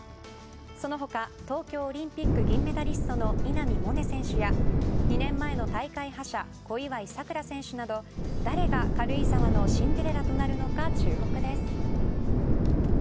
その他、東京オリンピック銀メダリストの稲見萌寧選手や２年前の大会覇者小祝さくら選手など誰が軽井沢のシンデレラとなるのか注目です。